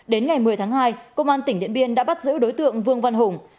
đến ngày một mươi tháng hai công an tỉnh điện biên đã bắt giữ đối tượng vương văn hùng